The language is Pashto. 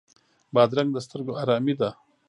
بادرنګ د سترګو آرامي ده.